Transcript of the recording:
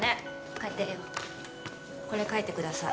帰ってええよこれ書いてください